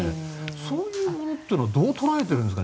そういうものはどう捉えているんですかね。